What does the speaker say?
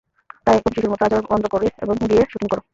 তাই এখন শিশুর মতো আচরণ বন্ধ করে, এবং গিয়ে শুটিং করো।